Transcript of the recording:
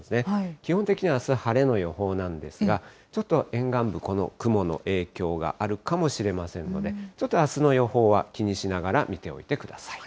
基本的にはあす、晴れの予報なんですが、ちょっと沿岸部、この雲の影響があるかもしれませんので、ちょっとあすの予報は気にしながら見ておいてください。